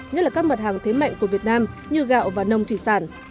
nhất là các mặt hàng thế mạnh của việt nam như gạo và nông thủy sản